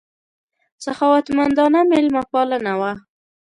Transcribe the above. سخاوتمندانه مېلمه پالنه وه.